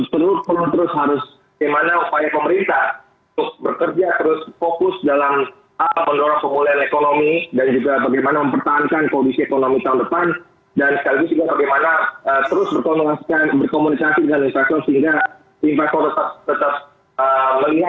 dan sekaligus juga bagaimana terus berkomunikasi dengan investor sehingga investor tetap melihat bahwa